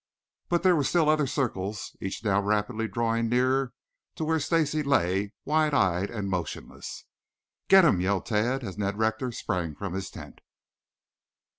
But there were still other circles, each now rapidly drawing nearer to where Stacy lay wide eyed and motionless. "Get him!" yelled Tad as Ned Rector sprang from his tent.